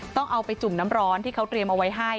ต้องเอาไปจุ่มน้ำร้อนที่เขาเตรียมเอาไว้ให้